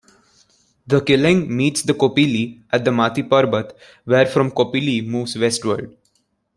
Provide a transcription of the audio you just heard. The Killing meets the Kopili at the Matiparbat where from Kopili moves westward.